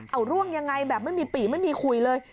เอาร่วงยังไงแบบไม่มีปีไม่มีคุยเลย